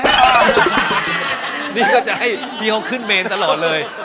อันนี้เขาจะให้พี่เขาขึ้นเมนต์ตลอดเลย